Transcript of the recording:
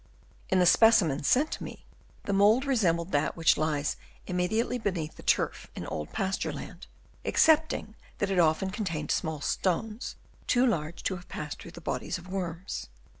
In the specimens sent to me, the mould resembled that which lies immediately beneath the turf in old pasture land, excepting that it often contained small stones, too large to have passed through the bodies of worms.